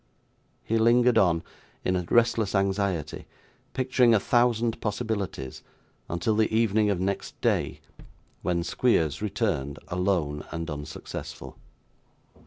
He lingered on, in restless anxiety, picturing a thousand possibilities, until the evening of next day, when Squeers returned, alone, and unsuccessful.